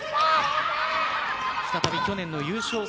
再び、去年の優勝